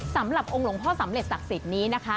สำหรับองค์หลวงพ่อสำเร็จศักดิ์สิทธิ์นี้นะคะ